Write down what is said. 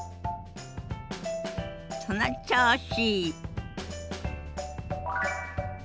その調子！